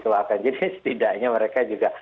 jadi setidaknya mereka juga